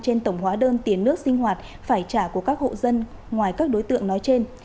trên tổng hóa đơn tiền nước sinh hoạt phải trả của các hộ dân ngoài các đối tượng nói trên